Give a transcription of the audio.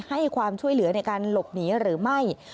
ให้ความช่วยเหลือในการหลบหนีหรือไม่